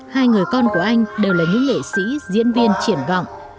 hai người con của anh đều là những nghệ sĩ diễn viên triển vọng